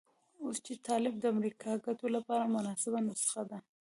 اوس چې طالب د امریکا ګټو لپاره مناسبه نسخه ده.